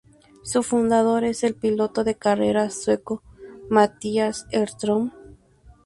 Su fundador es el piloto de carreras sueco Mattias Ekström.